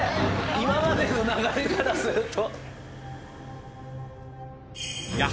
今までの流れからすると。